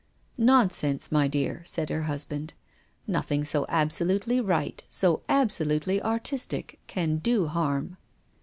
" Nonsense, my dear," said her husband. " Nothing so absolutely right, so absolutely artistic, can do harm."